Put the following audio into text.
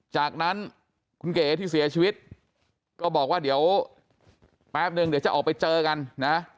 จากนั้นคุณเก๋ที่เสียชีวิตก็บอกว่าเดี๋ยวแป๊บนึงเดี๋ยวจะออกไปเจอกันนะ